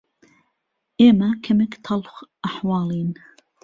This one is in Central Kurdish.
ئێمه کەمێک تهڵخ ئهحواڵين